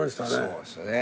そうですね。